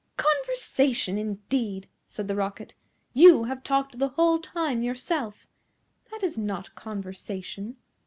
"Conversation, indeed!" said the Rocket. "You have talked the whole time yourself. That is not conversation."